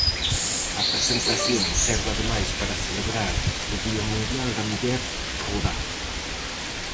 A presentación serve ademais para celebrar o Día Mundial da Muller Rural.